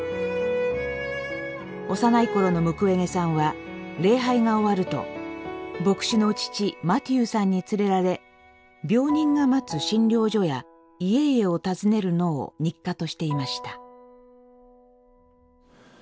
幼い頃のムクウェゲさんは礼拝が終わると牧師の父マティユさんに連れられ病人が待つ診療所や家々を訪ねるのを日課としていました。